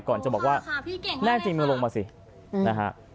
ก่อนจะบอกว่าแล้วพี่เก่งมากเลยครับ